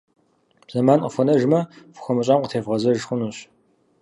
Зэман кьыфхуэнэжмэ, фхуэмыщӏам къытевгъэзэж хъунущ.